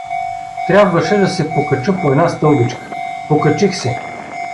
Трябваше да се покача по една стълбичка — покачих се.